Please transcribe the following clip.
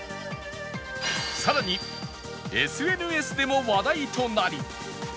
さらに ＳＮＳ でも話題となり